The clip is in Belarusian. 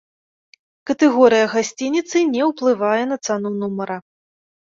Катэгорыя гасцініцы не ўплывае на цану нумара.